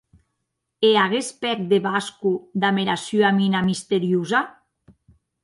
E aguest pèc de Vasco, damb era sua mina misteriosa!